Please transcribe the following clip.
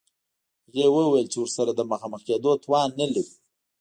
هغې وویل چې ورسره د مخامخ کېدو توان نلري